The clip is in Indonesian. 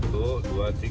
satu dua tiga